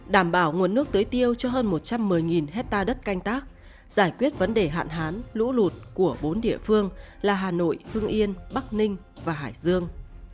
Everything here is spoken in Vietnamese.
đảm bảo nguồn nước tưới tiêu cho hơn một trăm một mươi hectare đất canh tác giải quyết vấn đề hạn hán lũ lụt của bốn địa phương là hà nội hưng yên bắc ninh và hải dương